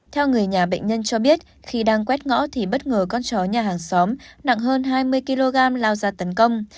theo người nhà bệnh nhân cho biết khi đang quét ngõ thì bất ngờ con chó nhà hàng xóm nặng hơn hai mươi kg lao ra tấn công